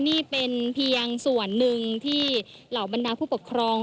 นี่เป็นเพียงส่วนหนึ่งที่เหล่าบรรดาผู้ปกครอง